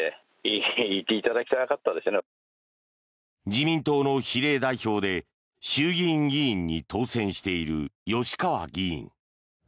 自民党の比例代表で衆議院議員に当選している吉川議員。